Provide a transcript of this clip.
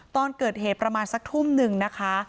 ตอนเกิดเหตุประมาณสักทุ่มหนึ่งนะคะ